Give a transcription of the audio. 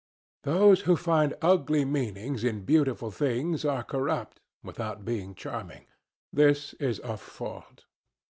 Those who find ugly meanings in beautiful things are corrupt without being charming. This is a fault.